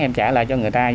em trả lại cho người ta